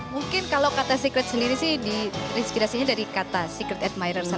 mungkin kalau kata secret sendiri sih inspirasinya dari kata secret admirer saja